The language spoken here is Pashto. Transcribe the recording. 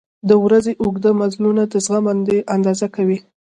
• د ورځې اوږده مزلونه د زغم اندازه کوي.